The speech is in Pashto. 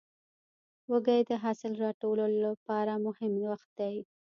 وږی د حاصل راټولو لپاره مهم وخت دی.